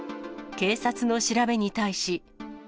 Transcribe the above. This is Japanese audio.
警察の調べに対し。